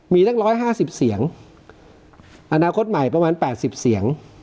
มีตั้งร้อยห้าสิบเสียงอนาคตใหม่ประมาณแปดสิบเสียง